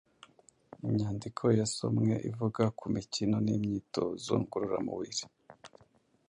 Imyandiko yasomwe ivuga ku mikino n’imyitozo ngororamubiri